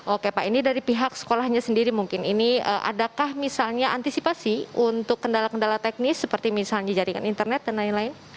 oke pak ini dari pihak sekolahnya sendiri mungkin ini adakah misalnya antisipasi untuk kendala kendala teknis seperti misalnya jaringan internet dan lain lain